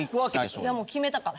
いやもう決めたから。